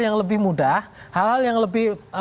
yang lebih mudah hal hal yang lebih